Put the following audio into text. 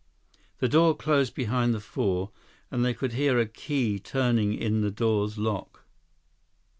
The door closed behind the four, and they could hear a key turning in the door's lock.